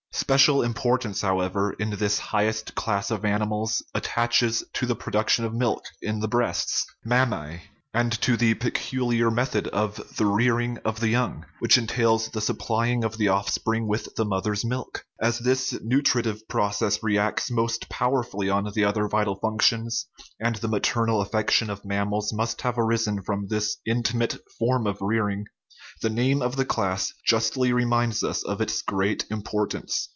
Special importance, however, in this highest class of animals, attaches to the production of milk in the breasts (mammae), and to the peculiar method of the rearing of the young, which entails the supplying of the offspring with the mother's milk. As this nutri tive process reacts most powerfully on the other vi tal functions, and the maternal affection of mam mals must have arisen from this intimate form of rearing, the name of the class justly reminds us of its great importance.